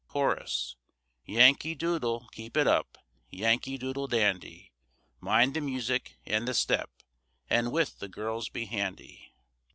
Chorus Yankee Doodle, keep it up, Yankee Doodle, dandy, Mind the music and the step, And with the girls be handy.